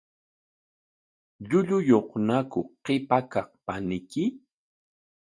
¿Llulluyuqñaku qipa kaq paniyki?